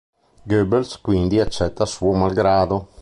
Goebbels quindi accetta suo malgrado.